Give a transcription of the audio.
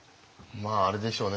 まああれでしょうね